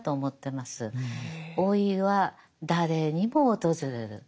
老いは誰にも訪れる。